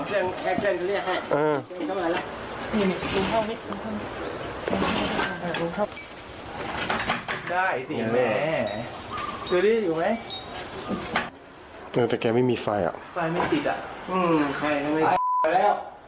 สูญเย็นเทียบเลยจริงจริงฮะยังงานนี้แจ้งหกหกสามลิตรอ่ะ